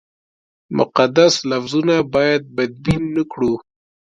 مقدس لفظونه باید بدبین نه کړو.